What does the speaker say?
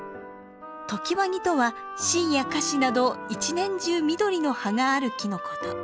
常磐木とはシイやカシなど一年中緑の葉がある木のこと。